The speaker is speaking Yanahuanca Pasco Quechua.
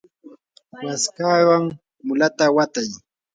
waskawan mulata watay.